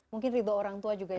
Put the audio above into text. mungkin ridho orang tua juga ya